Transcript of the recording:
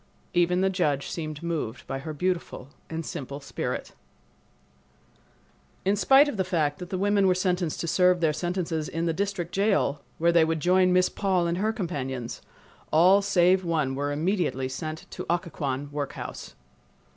Even the judge seemed moved by her beautiful and simple spirit. In spite of the fact that the women were sentenced to serve their sentences in the District Jail, where they would join Miss Paul and her companions, all save one were immediately sent to Occoquan workhouse.